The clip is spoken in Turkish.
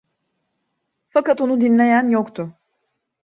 Fakat onu dinleyen yoktu.